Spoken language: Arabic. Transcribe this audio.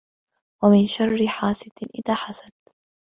وَمِن شَرِّ حاسِدٍ إِذا حَسَدَ